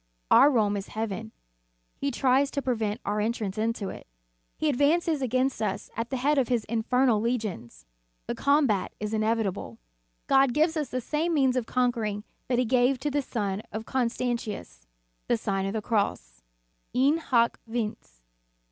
Our Rome is heaven; he tries to prevent our entrance into it. He advances against us at the head of his infernal legions. The combat is inevitable. God gives us the same means of conquering that He gave to the son of Constantius; the Sign of the Cross; In hoc vince.